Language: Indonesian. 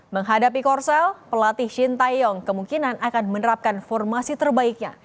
menghadapi korsel pelatih shin taeyong kemungkinan akan menerapkan formasi terbaiknya